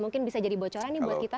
mungkin bisa jadi bocoran nih buat kita